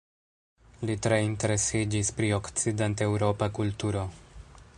Li tre interesiĝis pri okcident-eŭropa kulturo.